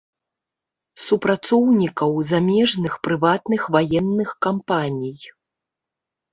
Супрацоўнікаў замежных прыватных ваенных кампаній.